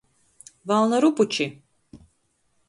Valna rupuči!